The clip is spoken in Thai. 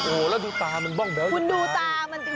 โอ้แล้วดูตลาดมันมองเบาเสียก่อน